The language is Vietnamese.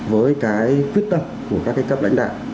với cái quyết tâm của các cái cấp lãnh đạo